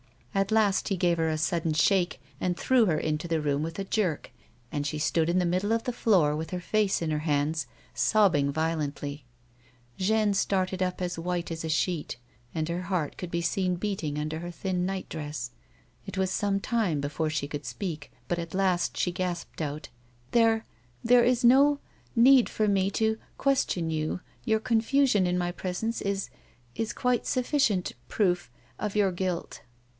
At last he gave her a sudden shake, and threw her into the room with a jerk, and she stood in the middle of the floor, with her face in her Lauds, sobbing violently. A WOMAN'S LIFE. Jeanne started up as white as a sheet, and her heart could be seen beating under her thin night dress. It was some time before she could speak, but at last she gasped out :" There — there — is no — need for me to — question you. Your confusion in my presence — is — is quite sufficient — proof — of your guilt."